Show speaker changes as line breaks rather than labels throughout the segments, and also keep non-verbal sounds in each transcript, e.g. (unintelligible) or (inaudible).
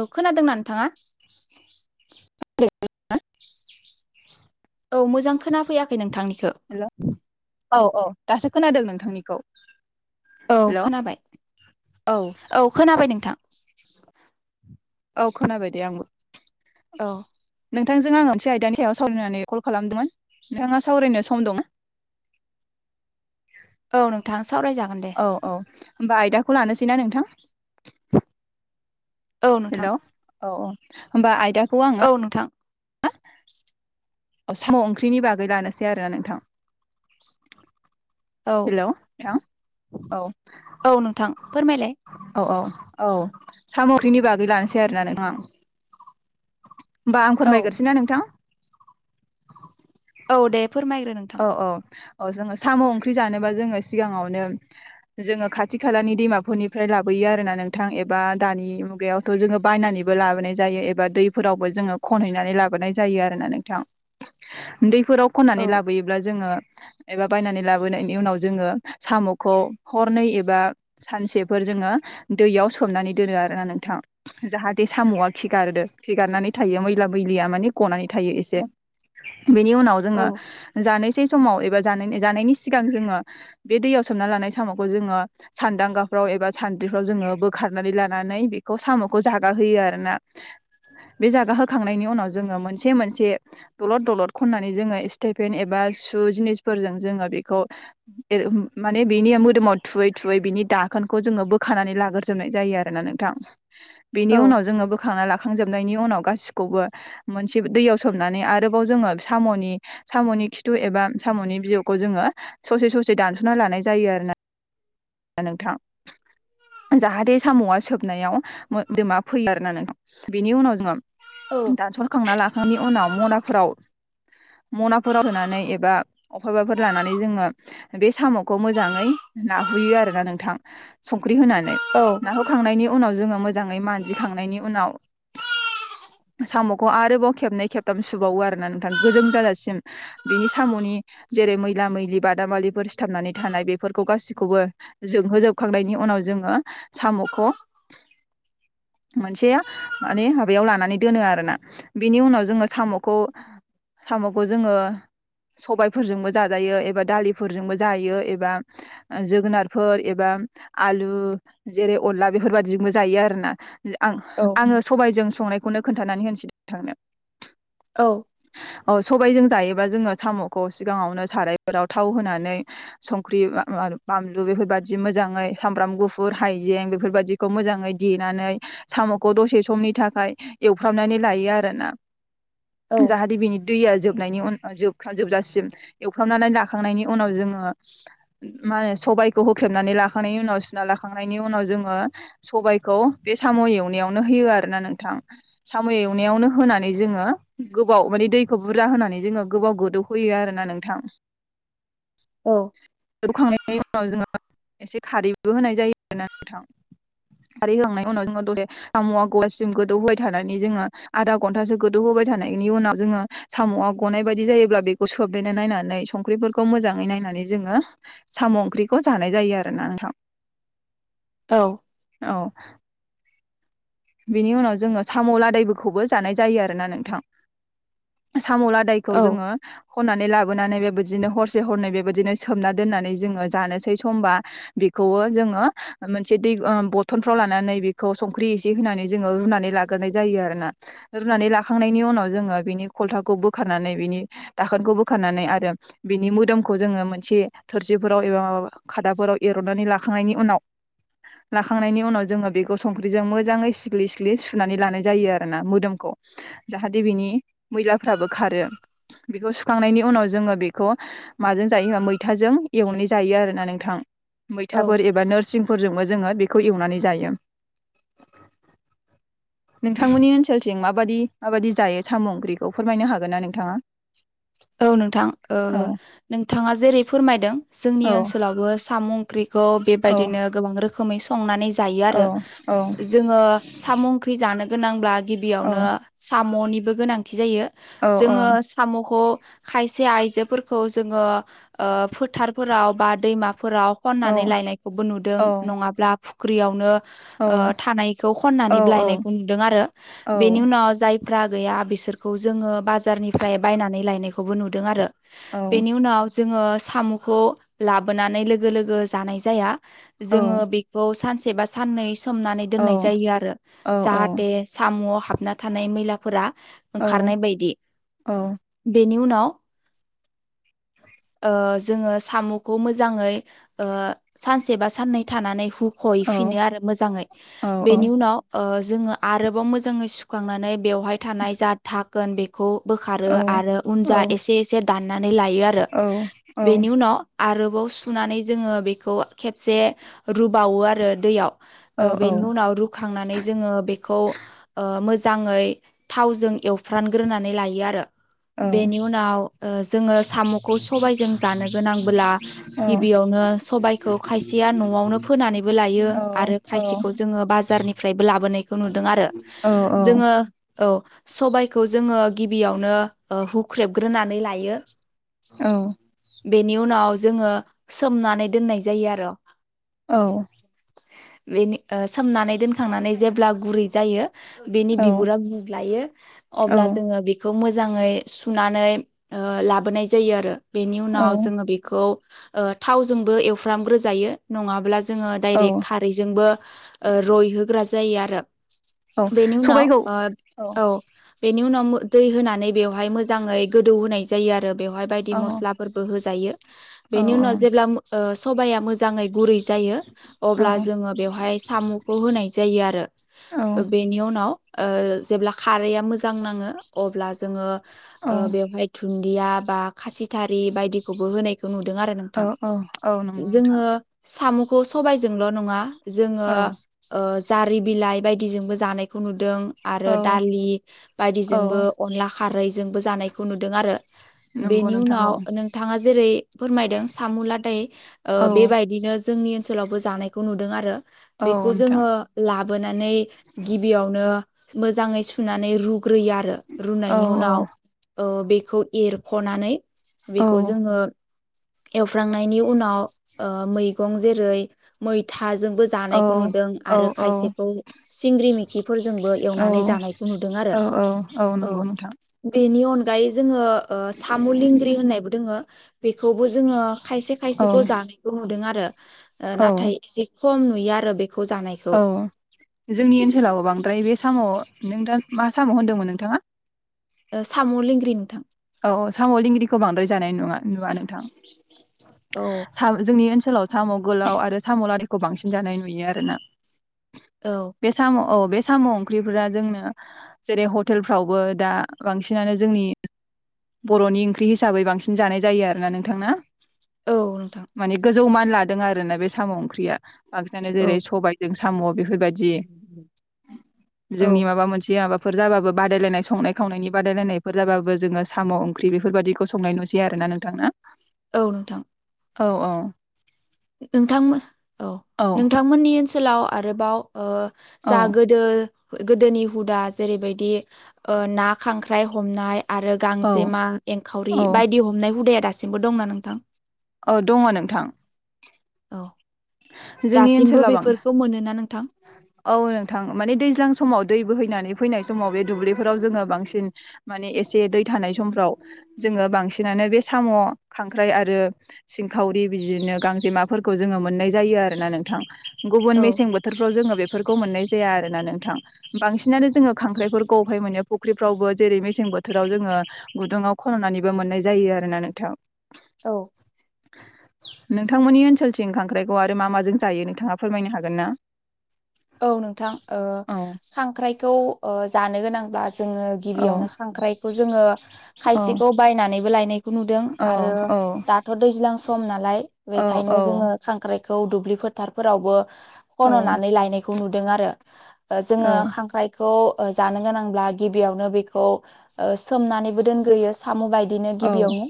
औ खोनादोंना नोंथाङा?
(unintelligible)
औ मोजां खोना फैयाखै नोंथांनिखो।
हेल' औ औ दासो खोनादों नोंथांनिखौ।
औ
हेल'
खोनाबाय,
औ
औ खोनाबाय नोंथां।
औ खोनाबायदे आंबो।
औ
नोंथांजों आं मोनसे आयदानि सायाव सावरायनानै कल खालामदोंमोन। नोंथाङा सावरायनो सम दंना?
(inaudible) औ नोंथां ।सावरायजागोन दे।
औ औ होमबा आयदाखौ लानोसैना नोंथां?
औ
हेल'
नोंथां
औ औ होमबा आयदा
औ नोंथां
औ साम' ओंख्रिनि बागै लानोसै आरोना नोंथां।
औ
हेलौ नोंथां? औ
औ नोंथां फोरमायलाय
औ औ औ साम' ओंख्रिनि बागै लानोसै आरोना नोंथां होमबा आं
औ
फोरमायगोसै ना नोंथां।
औ दे फोरमायग्रो नोंथां
औ औ अ जोङो साम' ओंख्रि जानोबा जोङो सिगाङावनो जोङो खाथि खालानि दैमाफोरनिफ्राय लाबोयो आरो ना नोंथां एबा दानि मुगायावथ' जोङो बायनानैबो लाबोनाय जायो एबा दैफोरावबो जों खन हैनानै लाबोनाय जायो आरो ना नोंथां। दैफोराव
औ
खननानै ला जोङो एबा बनानै लाबोनायनि उनाव जोङो साम'खौ हरनै एबा सा सानसेफोर जोङो दैयाव सोमनानै दोनो आरोना नोंथां। जाहाथे साम'आ खिगारोदो खिगादो खिगारनानै थायो मैला बैलिया माने गनानै थायो एसे।
(inaudible)
बेनि उनाव
औ
जोङो जानोसै समाव एबा जानायनि सिगां जो बे दैयाव सोमना लानाय समाव जो सानदां गाफ्राव एबा सान्द्रिफ्राव जोङो बोखारनानै लानानै बेखौ स'खौ जागा होयो आरोना। बे जागा होखांनायनि उनाव जोङो मोनसे मोनसे दलद दलद खननानै जोङो इस्ते पेन एबा शु जिनिसफोरजों जोङो बेखौ माने बेनि मोदोमाव थुयै थुयै बिनि दाखोनखौ जोङो बोखनानै लाग्रजोबनाय जायो आरोना नोंथां। बिनि
औ
उनाव जोङो बोखांना लाखांजोब नायनि उनाव गासिखौबो मोनसे दैयाव सोमनानै आरोबाव जोङो साम'नि साम'नि खिथु एबा साम'नि बिजौखौ जोङो ससे ससे दानस'ना लानाय जायो आरो ना नोंथां जाहाथे साम'आ सोबनायाव मोदोमा फैयो आर ना बेनि उनाव जोङो
औ
दानस'खांना लाखांनायनि उनाव मनाफोराव मनाफोराव होनानै एबा अफबाफोर लानानै जोङो बे साम'खौ मोजाङै ना हैयो आरोोना नोंथां संख्रि होनानै
औ
नाखौखांनायनि उनाव जोङो मोजां ङै मानजिखांनायनि उनाव
(inaudible)
साम'खौ आरोबाव खेबनै खेबथाम सुबुबावो आरो ना नोंथां गोजों जाजासिम बिनि साम'नि जेरै मैला मैलि बादामालिफोर सिथाबनानै थानाय बेफोरखौ गासिबो खौबो जोंहोजोबखांनायनि उनाव जोङो साम'खौ
(inaudible)
मोनसे माने माबायाव लानानै दोनो आरोना बिनि उनाव जोङो साम'खौ साम'खौ जोङो सबायफोरजोंबो जाजायो एबा दालिफोरजोंबो जायो एबा जोगोनारफोर एबा आलु जेरै अनला बेफोरबाददिजोंबो जायो आरो ना। आं
औ
आङो सबायजों संनायखौनो खोन्थानानै होनसै थांनो
औ
औ सबायजों जायोबा जोङो साम'खौ सिगाङावनो सारायफोराव थाव होनानै संख्रि बानलु बेफोरबायदि मोजाङै सामब्राम गुफुर हाइजें बेफोरबायाददिखौ मोजाङै देनानै सा म'खौ दसे समनि थाखाय एवफ्रामनानै लायो आरोना जाहाथे बिनि दैया जोब जोबनायनि उन जोब जोबजासिम एवफ्रामनानै लाखांनायनि उनाव जोङो मा सबबायखौ होख्लेबनानै लाखांनायनि उनाव सुना लाखांनायनि उनाव जोङो सबायखौ बे साम' साम' एवनायनो हो आरोना नोंथां साम' एवनायनो होनानै जोङो गोबाव मानै दैखौ बुरजा होनानै जोङो गोबाव गोदौहोयो आरो ना नोंथां।
औ
जोबखांनायनि उनाव जोङो एसे खारैबो होनाय जायो आरोना नथां। खारै होखांनायनि उनाव जोङो दसे (unintelligible) गौवासिम गोदौ होबाय थानानै जोङो आधा घन्टासो गोदौ होबाय होबाय थानायनि उनाव जोङो सामआ गनाय बादि जायोब्ला बेखौ सोबनाय ना नायनानै संख्रिफोरखौ मोजाङै नायनानै नानै जोङो सम ओंख्रिखौ जानाय जायो आरोना नोंथां
औ
औ बिनि उनाव जोङो साम लादायफोरखौबो जानाय जायो आरोना नोंथां साम लादायखौ जोङो
औ
खननानै लाबोनानै बेबोदिनो हरसे हरनै बे बोदिनो सोमना दोननानै जोङो जानोसै समबा बिखौवो जोङो ओ मोनसे ओ ब थनफ्राव लानानै बेखौ संख्रि से होनानै जोङो रुनानै लाग्रोनाय जायो आरोना रुनानै लाखांनायनि उनाव जोङो बिनि खलथाखौ बोखार नानै बिनि दाखोनखौ बोखारनानै आरो बिनि मोदोमखौ जोङो मोनसे थोरसिफोराव एबा मा खादाफोराव एरनानै लाखांनायनि उनाव लाखांनायनि उनाव जोङो बेखौ संख्रिजों मोजां जाङै सिग्लि सिख्लि सुनानै लानाय जायो आरोना मोदोमखौ जाहाथे बिनि मैलाफ्राबो खायो बेखौ सुखांनायनि उनाव जोङो बेखौ माजों जायो होनबा मैथाजों एवनानै जायो आरो रोना नोंथां मैथाफोर एबा नोरसिंफोरजोंबो जोङो बेखौ एवनानै जायो
(inaudible)
नोंथांमोननि ओनसोलथिं माबायदि माबायदि जायो साम ओंख्रिखौ फोरमायनो हागोन ना नोंथाङा
औ नोंथां ओ
औ
नोंथाङा जेरै फोरमायदों जोंनि
औ
ओनसोलावबो सामु ओं खौ
औ
बेबायदिनो गोबां रोखोमै संनानै जायो
औ
आरो
औ
जोङो साम ओंख्रि जानो‌ गोनांब्ला
औ
गिबियावनो सा मनिबो गोनांथि जायो
औ
जोङो सामखौ खायसे आइजोफोरखौ जोङो ओ फोथाराव बा दैमाफोराव
औ
खननानै लायनायखौबो नुदों
औ
नङाब्ला फुख्रियावनो ओ थानायखौ
औ
खननानैबो लायनायखौ नुदों आरो बेनि उनाव जाय फ्रा गैया बिसोरखौ जोङो बाजारनिफ्राय बायनानै लायनायखौबो नुदों आरो ।
औ
बेनि उनाव जोङो सामखौ लाबोनानै लोगो लोगो जानाय जाया । जोङो बेखौ सानसे बा साननै सोमनानै दोननाय जायो आरो
औ औ
जाहाथे सामआव हाबना थानाय मैलाफोरा।
औ
ओंखारनाय बायदि
औ
बेनि उनाव । ओ जोङो सामखौ मोजाङै ओ सानसे बा साननै थानानै हु खहैफिनो आरो मोजाङै बेनि उनाव ओ जोङो आरोबाव मोजाङै सुखांनानै । बेवहाय थानाय जा धाखोन बेखौ बोखारो आरो उन जा एसे एसे दानना नै लायो आरो बेनि उनाव आरो बाव सुनानै जोङो बेखौ खेबसे रुबावो आरो दैयाव । ओ बेनि उनाव रुखांनानै जोङो बेखौ मो मोजाङै थावजों एवफ्रानग्रोनानै लायो आरो। बेनि उनाव ओ जोङो साम'खौ सबायजों जानो गोनांबोला गिबियावनो। सबायखौ खायसेया नआवनो फोनानैबो लायो आरो खायसेखौ जोङो बाजारनिफ्रायबो लाबोन नायखौ नुदों आरो जोङो औ सबायखौ जोङो । गिबियावनो ओ हुख्रेबग्रोनानै लायो ।
औ
बेनि उनाव जोङो सोमनानै दोननाय जायो आर' । बेनि ओ सोमनानै दोनखांनानै जेब्ला गुरै जायो। बेनि बिगुरा
औ
गग्लायो अब्ला जोङो बेखौ मोजाङै। सुनानै ओ लाबोनाय जायो आरो बेनि
औ
उनाव जोङो बेखौ। ओ थावजोंबो एवफ्रामग्रोजायो नङाब्ला । जोङो
औ
दायरेक खारैजोंबो रइहोग्रा जायो आरो। बेनि उनाव
सबायखौ
ओ औ बेनि उनाव दै होनानै बेयाव हाय मोजाङै गोदौ होनाय जायो आरो। बेवहाय बायदि
औ
मस्लाफोरबो होजायो
औ
बेनि उनाव जेब्ला मो ओ सबाया मोजाङै गुरै जा यो अब्ला जोङो बेवहाय साम'खौ होनाय जायो आरो बेनि उनाव ओ जेब्ला खारैया मोजां नाङो अब्ला जोङो
औ
ओ बेवहाय दुन दिया बा खासि थारि बायदिखौबो होनाय। नुदोंआरो नोंथां
औ औ नंगौ नोंथां
जोडों सामुक खौ सबायजोंल' नङा जोङो
औ
ओ । जारि बिलाइ बायदिजोंबो जानायखौ नुदों आरो
औ
दालि
औ
बायदिजोंबो अनला खा जोंबो जानायखौ नुदों आरो
नंगौ
बेनि
नोंथां
उनाव नोंथाङा जेरै फोरमायदों सामु ला दाइ ओ
औ
बेबायदिनो जोंनि ओनसोलावबो जानायखौ नुदों आरो ।
औ
बेखौ
नोंथां
जोङो लाबोनानै गिबियावनो मोजाङै सुनानै रु ग्रोयो आरो
औ
रुनायनि
औ
उनाव ओ बेखौ एरख'नानै ।
औ
बेखौ जोङो। एवफ्र्रांनायनि उनाव मैगं जेरै मैथा जोंबो
औ
जानायखौ नुदों आरो
औ
खायसेखौ सिंग्रि मेखिफोरजोंबो
औ
एवनानै जानायखौ नुदों ।
औ औ औ नंगौ नोंथां।
बेनि अनगायै जोङो। ओ साम' लिंग्रि होननायबो दोङो बेखौबो जोङो खायसे
औ
खायसेखौ जानायखौ नुदों आरो।
औ
नाथाय एसे खम नुयो आरो बे
औ जोंनि ओनसोलावबो बांद्राय बे साम' नों दा मा साम' होनदोंमोन नोंथाङा?
ओ साम' लेंग्रि नोंथां
औ औ साम' लिंग्रिखौ बांद्राय जानाय नुवा नुवा
औ
नोंथां। जोंनि ओनसोलाव साम' गोलाव आरो साम' लादायखौ बांसिन जानाय नुयो आरोना।
औ
बे साम'औ बे साम' ओंख्रिफोरा जोंनो जेरै हटेलफ्रावबो दा बांसिनानो जोंनि बर'नि ओंख्रि हिसाबै बांसिन जानाय जायो आरोना नोंथां ना?
औ नोंथां
माने गोजौ मान लादों आरोना बे साम' ओंख्रिया बांसिनानो
औ
जेरै सबाय साम' बेफोरबायदि
औ
जोंनि माबा मोनसे माबाफोर जाबाबो बादायलायनाय संनाय खावनायनि बादायलायनायफोर जाबाबो जोङो साम' ओंख्रि बेफोरबादिखौ संनाय नुसै आरो ना नोंथां ना?
औ नोंथां
औ औ
नोंथां औ नोंथांमोननि ओनसोलाव आरोबाव ओ जा
औ
गोदो गोदोनि हुदा जेरैबायदि ओ ना खांख्राइ हमनाय आरो
औ
गांजेमा एंखावरि
औ
बायदि हमनाय हुदाया दासिमबो दंना नोंथां?
औ दङ नोंथां
औ
जोंनि
दासिमबो
ओनसोलाव बांसिन
बेफोरखौ मोनोना नोंथां?
औ नोंथां माने दैज्लां समाव दै बोहैनानै फैनाय समाव बे दुब्लिफोराव जोङो बांसिन माने एसे दै थानाय समफ्राव जोङो बांसिनानो बे साम' खांख्राय आरो सिंखावरि बिजिनो गांजेमा फोरखौ जोङो मोननाय जा जायो आरोना नोंथां गुबन मेसें बोथोरफ्राव जोडों बे फोरखौ मोननाय जाया आरोना नोंथां बांसिनानो जोडों खांख्राय फोरखौ अबहाय मोनो जेरै मेसें बोथोराव जोङो गुदुंङाव खन'नानैबो मोननाय जायो आरोना नोंथां ।
औ
नोंथांमोननि ओनसोलथिं खांख्राइखौ आरो मा माजों जायो नोंथाङा फोरमायनो हागोन ना?
औ नोंथां ओ
औ
खांख्राइखौ ओ जानो गोनांब्ला जोंडों
औ
गिबियावनो खांख्रायखौ जों
औ
खायसेखौ बायनानैबो लायनाय खौ नुदों
औ
आरो
औ
दाथ' दैज्लां सम नालाय
औ औ
बेखायनो जोङो खांख्राइ- खौ दुबलि फोथार फ्रावबो
औ
खन'नानै लायनाय खौ नुदों आरो
औ
जोङो खांख्राइखौ ओ जानो गोनांब्ला गिबियावनो बेखौ ओ सोमनानैबो दोनग्रोयो साम' बाय बिदिनो
औ
गिबियावनो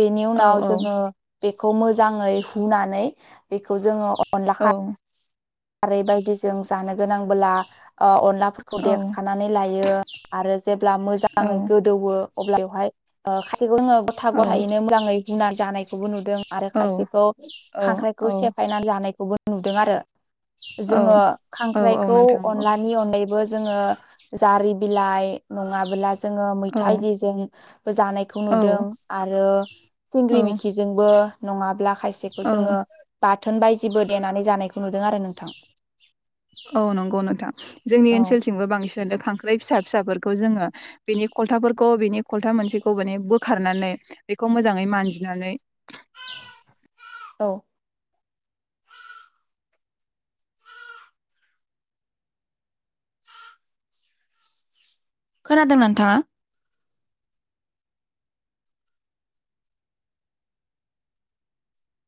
बेनि
औ
उनाव
औ
जोङो बेखौ मोजाङै हुनानै बेखौ जोङो अ -
औ
खारै बायदिजों जानो गोनांबोला ओ अन अनलाफोरखौ देखानानै लायो आरो जेब्ला
औ
मोजाङै गोदौवो अब्ला बेवहाय खायसेखौ जोंङो गथा
औ
गथायैनो मोजाङै हुना जानायखौबो नुदों आरो खायसेखौ
औ
खांख्राइखौ सेफायनानै जानायखौबो नुदों आरो जोङो
औ औ
खांख्राइखौ
नोंथां नंगौ
अनलानि अनगायैबो जोङो जारि बिलाइ नङाबोला जोङो
औ
मैथादिजों जानायखौ
औ
नुदों आरो
औ
सिंग्रि मिखिजोंबो नङाब्ला खायसेखौ
औ
जोङो बाथोन बायदिबो देनानै जानायखौ नुदों आरो नोंथां
औ नंगौ नोंथां जोंनि
औ
ओनसोलथिमबो बांसिन बि खांख्राइ फिसा फिसाफोरखौ जोङो बेनि खलथाफोरखौ बिनि खलथा मोनसेखौ माने बोखारनानै बेखौ मोजाङै मानजिनानै
औ खोनादों नोंथाङा